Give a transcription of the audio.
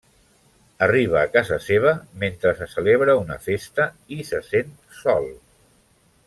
Arriba a casa seva mentre se celebra una festa i se sent sol.